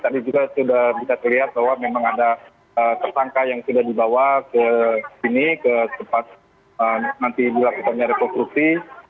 tadi juga sudah bisa terlihat bahwa memang ada tersangka yang sudah dibawa ke sini ke tempat nanti dilakukannya rekonstruksi